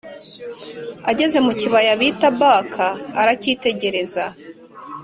Ageze mukibaya bita baka arahitegereza